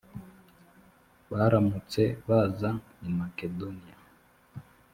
barambutse baza i makedoniya